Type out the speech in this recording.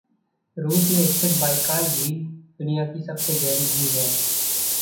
रूस में स्थित बाइकाल झील दुनिया की सबसे गहरी झील है।